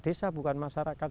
desa bukan masyarakat